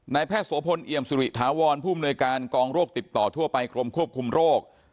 แพทย์โสพลเอี่ยมสุริถาวรผู้อำนวยการกองโรคติดต่อทั่วไปกรมควบคุมโรค